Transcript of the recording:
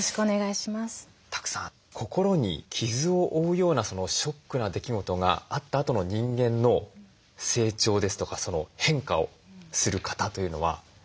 宅さん心に傷を負うようなショックな出来事があったあとの人間の成長ですとか変化をする方というのは少なくないのでしょうか？